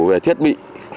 về thiết bị